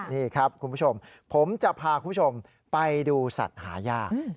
นี่ครับคุณผู้ชมผมจะพาคุณผู้ชมไปดูสัตว์หายาก